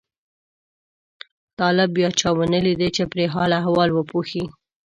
طالب بیا چا ونه لیده چې پرې حال احوال وپوښي.